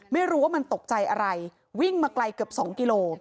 ไม่รู้ว่ามันตกใจอะไรวิ่งมาไกลเกือบ๒กิโล